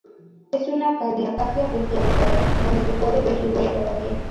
Es una caldera casi apreciable por aire, donde se puede ver su huella todavía.